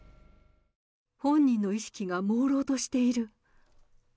本人の意識がもうろうとしている。